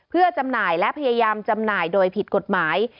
เพื่อจำหน่ายและพยายามจำหน่ายโดยผิดกฎหมาย